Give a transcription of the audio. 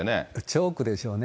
ジョークでしょうね。